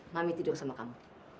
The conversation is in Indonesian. mami tidur sama kamu